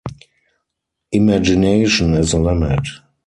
Imagination is the limit.